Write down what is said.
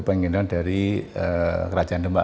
pengendalian dari kerajaan demak